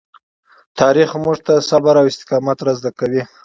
تاریخ موږ ته صبر او استقامت را زده کوي.